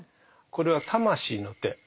これは魂の手。